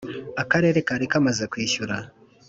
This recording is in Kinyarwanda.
Akarere kari kamaze kwishyura